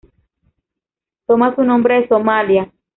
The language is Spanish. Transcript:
Toma su nombre de Somalia.